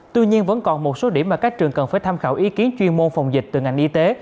tuy nhiên vẫn còn một số điểm mà các trường cần phải tham khảo ý kiến chuyên môn phòng dịch từ ngành y tế